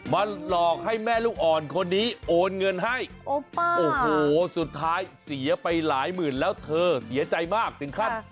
หลอกให้แม่ลูกอ่อนคนนี้โอนเงินให้โอ้โหสุดท้ายเสียไปหลายหมื่นแล้วเธอเสียใจมากถึงขั้น